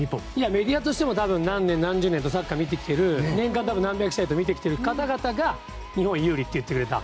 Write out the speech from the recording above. メディアとしても何年、何十年と見てきてる年間何試合も見てきている方々が日本有利と言ってくれた。